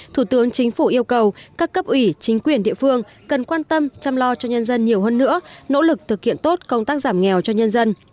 thủ tướng chính phủ yêu cầu các cấp ủy chính quyền địa phương cần quan tâm chăm lo cho nhân dân nhiều hơn nữa nỗ lực thực hiện tốt công tác giảm nghèo cho nhân dân